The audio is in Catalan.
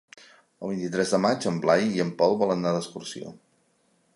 El vint-i-tres de maig en Blai i en Pol volen anar d'excursió.